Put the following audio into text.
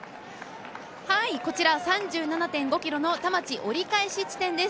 こちら３７．５キロの田町折り返し地点です。